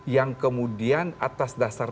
yang kemudian atas dasar